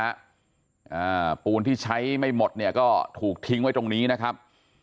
อ่าปูนที่ใช้ไม่หมดเนี่ยก็ถูกทิ้งไว้ตรงนี้นะครับ